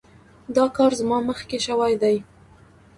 دا کار زما مخکې شوی دی.